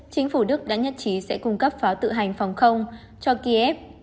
chính phủ đức đã nhất trí sẽ cung cấp pháo tự hành phòng không cho kiev